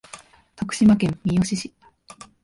徳島県三好市